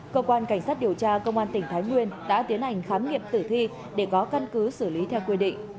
cơ quan cảnh sát điều tra công an tỉnh thái nguyên đã tiến hành khám nghiệm tử thi để có căn cứ xử lý theo quy định